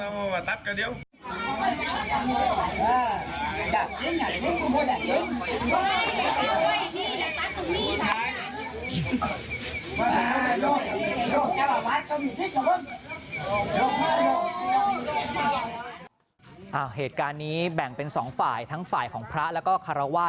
เหตุการณ์นี้แบ่งเป็นสองฝ่ายทั้งฝ่ายของพระแล้วก็คารวาส